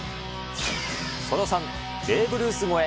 その３、ベーブ・ルース超え！